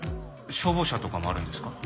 消防車とかもあるんですか？